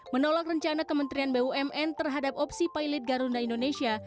menolak rencana kementerian bumn terhadap opsi pilot garuda indonesia